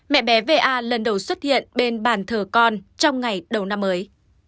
mẹ bé v a lần đầu xuất hiện bên bàn thờ con trong ngày đầu năm mới